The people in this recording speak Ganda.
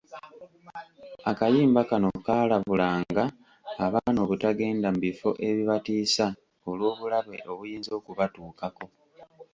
Akayimba kano kaalabulanga abaana obutagenda mu bifo ebibatiisa olw’obulabe obuyinza okubatuukako.